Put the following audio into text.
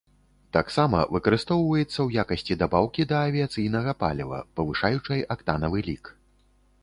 Таксама выкарыстоўваецца ў якасці дабаўкі да авіяцыйнага паліва, павышаючай актанавы лік.